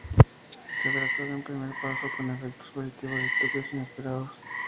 Se trató de un primer paso con efectos positivos y toques inesperados.